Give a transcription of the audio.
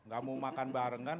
gak mau makan bareng kan